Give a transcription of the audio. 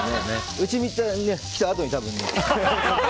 うちに来たあとに多分。